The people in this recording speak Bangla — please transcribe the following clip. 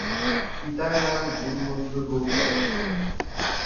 পিতার নাম দীনবন্ধু গুপ্ত।